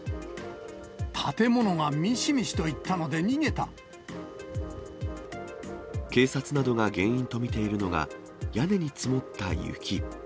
建物がみしみしといったので警察などが原因と見ているのが、屋根に積もった雪。